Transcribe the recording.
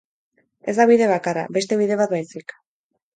Ez da bide bakarra, beste bide bat baizik.